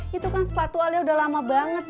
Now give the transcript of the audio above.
ya elah be